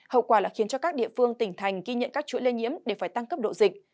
hậu quả là khiến cho các địa phương tỉnh thành ghi nhận các chuỗi lây nhiễm đều phải tăng cấp độ dịch